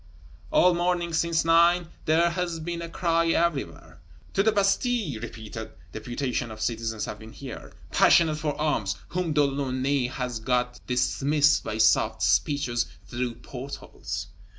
All morning, since nine, there has been a cry everywhere: To the Bastille! Repeated "deputations of citizens" have been here, passionate for arms, whom De Launay has got dismissed by soft speeches through port holes.